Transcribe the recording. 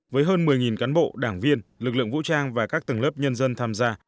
với hơn một mươi cán bộ đảng viên lực lượng vũ trang và các tầng lớp nhân dân tham gia